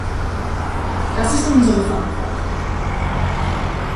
Das ist unsere Verantwortung.